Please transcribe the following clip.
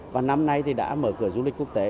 và năm nay thì đã mở cửa du lịch quốc tế